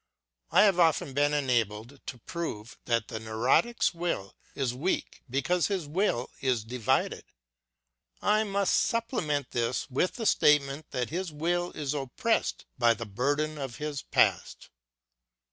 I have often been enabled to prove that the neurotic's will is weak because his will is divided. I must supple ment this with the statement that his will is oppressed by the burden of his past.